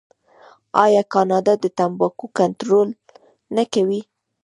آیا کاناډا د تمباکو کنټرول نه کوي؟